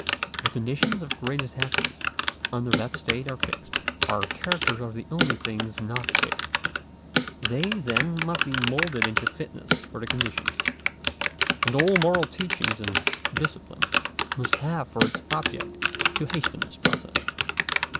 The conditions of greatest happiness under that state are fixed. Our characters are the only things not fixed. They, then, must be moulded into fitness for the conditions. And all moral teaching and discipline, must have for its object, to hasten this process.